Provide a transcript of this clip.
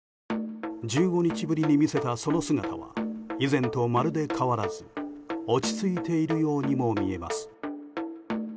１５日ぶりに見せたその姿は以前とまるで変わらず落ち着いているようにも見えます。